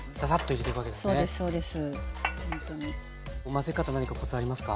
混ぜ方何かコツありますか？